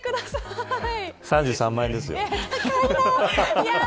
３３万円ですよ。